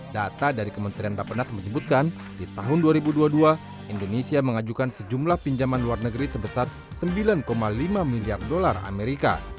data dari kementerian bapak penas menyebutkan di tahun dua ribu dua puluh dua indonesia mengajukan sejumlah pinjaman luar negeri sebesar sembilan lima miliar dolar amerika